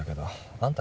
あんた